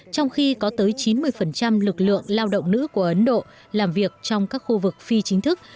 trong khi có tới chín mươi lực lượng lao động nữ của ấn độ làm việc trong các khu vực phi chính thức